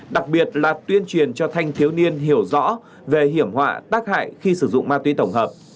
đặc biệt là tuyên truyền cho thanh thiếu niên hiểu rõ về hiểm họa tác hại khi sử dụng ma túy tổng hợp